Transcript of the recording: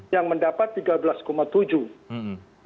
yang mendapat rp tiga belas tujuh